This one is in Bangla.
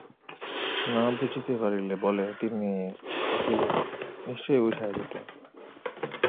না বুঝিতে পারিলে বলে তিনি থাকিলে নিশ্চয় বুঝাইয়া দিতেন।